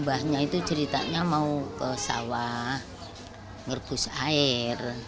wabahnya itu ceritanya mau ke sawah ngerbus air